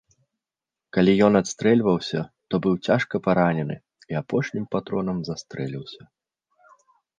Калі ён адстрэльваўся, то быў цяжка паранены і апошнім патронам застрэліўся.